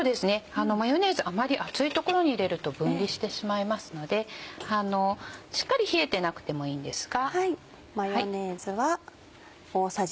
マヨネーズあまり熱い所に入れると分離してしまいますのでしっかり冷えてなくてもいいんですが。